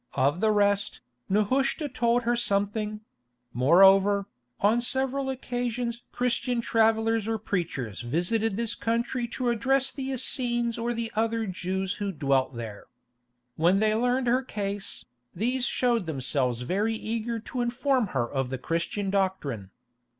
Of the rest, Nehushta told her something; moreover, on several occasions Christian travellers or preachers visited this country to address the Essenes or the other Jews who dwelt there. When they learned her case, these showed themselves very eager to inform her of the Christian doctrine.